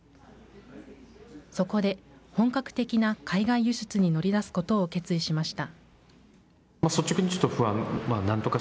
そこで本格的な海外輸出に乗り出すことを決意しました。